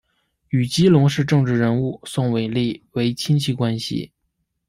与基隆市政治人物宋玮莉为亲戚关系。